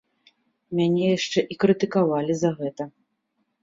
Мяне яшчэ і крытыкавалі за гэта.